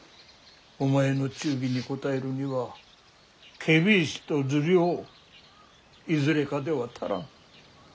お前の忠義に応えるには検非違使と受領いずれかでは足らん。